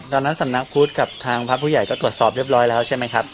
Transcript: ตอนนั้นสำนักพุทธกับทางพระผู้ใหญ่ก็ตรวจสอบเรียบร้อยแล้วใช่ไหมครับ